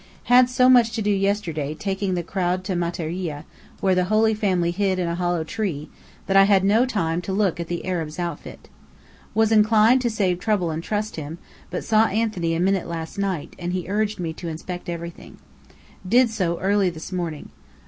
Had so much to do yesterday taking the crowd to Matariyeh, where the Holy Family hid in a hollow tree, that I had no time to look at the Arab's outfit. Was inclined to save trouble and trust him, but saw Anthony a minute last night; he urged me to inspect everything. Did so early this morning.